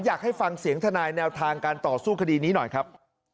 อยากให้ฟังเสียงทนายแนวทางการต่อสู้คดีนี้หน่อยครับ